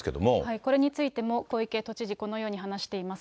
これについても小池都知事、このように話しています。